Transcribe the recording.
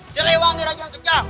siliwangi raja yang kecah